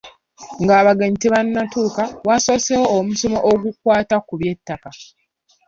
Nga abagenyi tebannatuuka, waasoseewo omusomo ogukwata ku by'ettaka.